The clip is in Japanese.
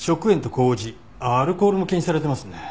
アルコールも検出されてますね。